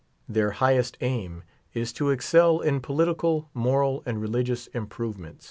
Their highest aim is to ex cel in political, moral, and religious improvement.